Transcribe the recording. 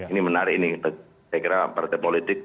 ini menarik ini saya kira partai politik